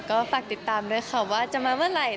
ก็ฝากติดตามด้วยค่ะว่าจะมาเมื่อไหร่